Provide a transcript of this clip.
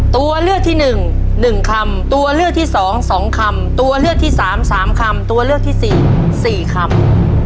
ตัวเลือกที่๑๑คำตัวเลือกที่สองสองคำตัวเลือกที่สามสามคำตัวเลือกที่สี่สี่คำ